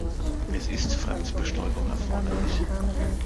Es ist Fremdbestäubung erforderlich.